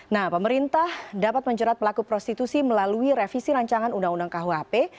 nah pemerintah dapat menjerat pelaku prostitusi melalui revisi rancangan undang undang kuhp